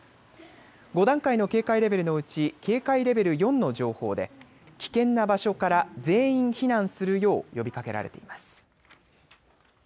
５段階の警戒レベルのうち警戒レベル４の情報で危険な場所から全員避難するよう呼びかけられています。